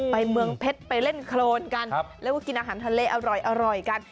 เมืองเพชรไปเล่นโครนกันแล้วก็กินอาหารทะเลอร่อยกัน